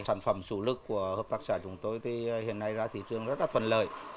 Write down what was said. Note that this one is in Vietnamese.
sản phẩm chủ lực của hợp tác xã chúng tôi thì hiện nay ra thị trường rất là thuận lợi